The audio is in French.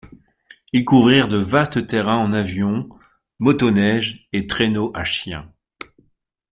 Ils couvrirent de vastes terrains en avion, motoneige et traîneau à chiens.